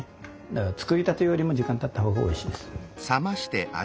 だから作りたてよりも時間たった方がおいしいです。